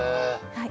はい。